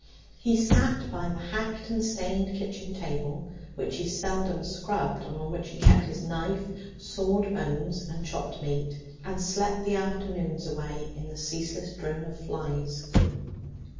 He sat by the hacked and stained kitchen table (which he seldom scrubbed, and on which he tried his knife, sawed bones, and chopped meat) and slept the afternoons away in the ceaseless drone of flies.